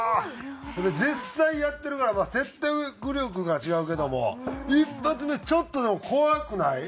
これ実際やってるからまあ説得力が違うけども一発目ちょっとでも怖くない？